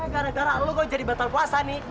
gara gara lo gue jadi batal puasa nih